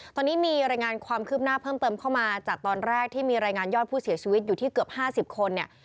ตอนนี้มีรายงานความคืบหน้าเพิ่มเติมเข้ามาจากตอนแรกที่มีรายงานยอดผู้เสียชีวิตอยู่ที่เกือบ๕๐คนเนี่ย